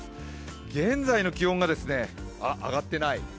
現在の気温が、あ、上がっていない。